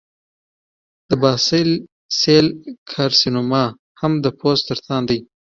د باسل سیل کارسینوما هم د پوست سرطان دی.